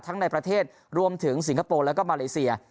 ในประเทศรวมถึงสิงคโปร์แล้วก็มาเลเซีย